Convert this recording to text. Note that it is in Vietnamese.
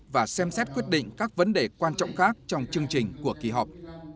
và xem xét quyết định các vấn đề quan trọng khác trong chương trình của kỳ họp